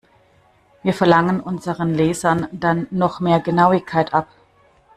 Wir verlangen unseren Lesern dann noch mehr Genauigkeit ab.